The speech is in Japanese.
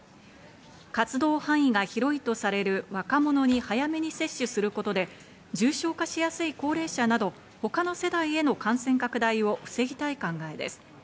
活動範囲が広いとされる若者に早めに接種することで重症化しやすい高齢者など、他の世代への感染拡大を防ぎたい考えです。